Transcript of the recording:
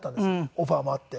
オファーもあって。